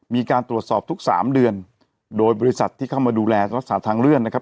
มีการตรวจสอบทุกสามเดือนโดยบริษัทที่เข้ามาดูแลรักษาทางเลื่อนนะครับ